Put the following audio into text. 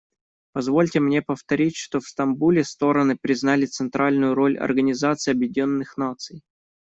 Позвольте мне повторить, что в Стамбуле стороны признали центральную роль Организации Объединенных Наций.